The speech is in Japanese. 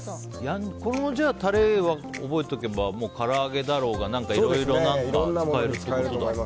このタレを覚えておけばから揚げだろうがいろいろ使えるってことだ。